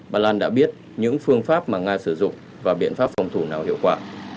bà lan đã biết những phương pháp mà nga sử dụng và biện pháp phòng thủ nào hiệu quả